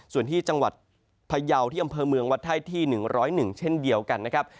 ส่วนที่จังหวัดพยาวที่อำเภอเมืองวัดไทยที่๑๐๑เช่นเดียวกันนะครับ